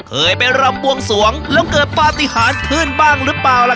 เคยไปรำบวงสวงแล้วเกิดปฏิหารขึ้นบ้างหรือเปล่าล่ะ